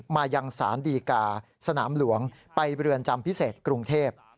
มายังสารดีกาสนามหลวงไปเรือนจำพิเศษกรุงเทพ